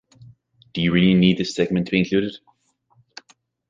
Do you really need this segment to be included?